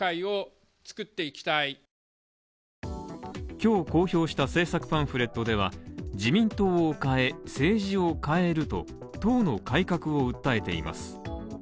今日、公表した政策パンフレットでは「自民党を変え、政治を変える」と党の改革を訴えています。